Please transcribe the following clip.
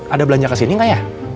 ada belanja kesini gak ya